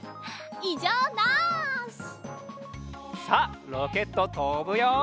さあロケットとぶよ。